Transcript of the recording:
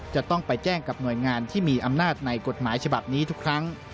จะต้องไปแจ้งกับหน่วยงานที่มีอำนาจในกฎหมายฉบับนี้ทุกครั้ง